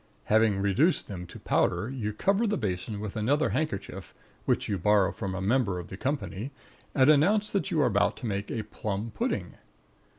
Having reduced them to powder, you cover the basin with another handkerchief, which you borrow from a member of the company, and announce that you are about to make a plum pudding.